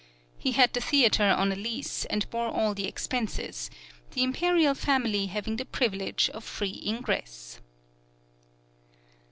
He had the theatre on a lease, and bore all the expenses, the imperial family having the privilege of free ingress.